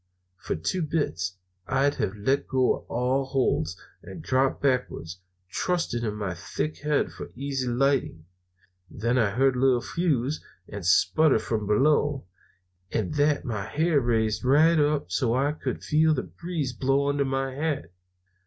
"For two bits I'd have let go all holts and dropped backwards, trusting to my thick head for easy lighting. Then I heard a little fizz and sputter from below. At that my hair riz right up so I could feel the breeze blow under my hat.